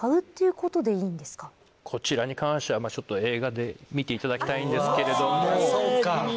こちらに関しては映画で見ていただきたいんですけれども。